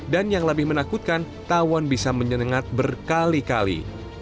dan yang lebih menakutkan tawon bisa menyengat berkali kali